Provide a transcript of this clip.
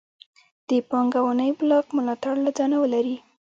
د پانګوالۍ بلاک ملاتړ له ځانه ولري.